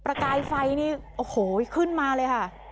กายไฟนี่โอ้โหขึ้นมาเลยค่ะ